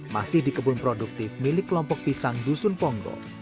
masih di kebun produktif milik kelompok pisang dusun ponggo